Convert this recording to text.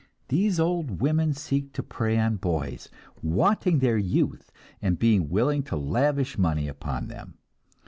These old women seek to prey on boys, wanting their youth, and being willing to lavish money upon them.